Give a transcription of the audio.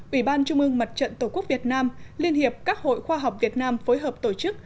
ủy ban trung ương mặt trận tổ quốc việt nam liên hiệp các hội khoa học việt nam phối hợp tổ chức